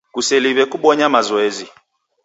Kuseliw'e kubonya mazoezi.